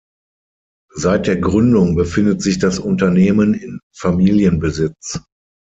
Seit der Gründung befindet sich das Unternehmen in Familienbesitz.